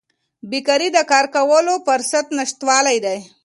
بیکاري د کار کولو فرصت نشتوالی دی.